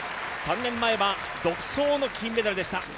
３年前は、独走の金メダルでした。